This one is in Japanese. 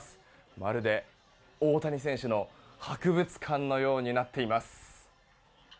まるで大谷選手の博物館のようになっています。